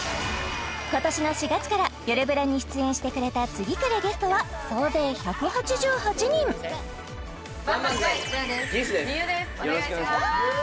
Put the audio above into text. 今年の４月から「よるブラ」に出演してくれた次くるゲストは総勢１８８人ばんばんざいお願いします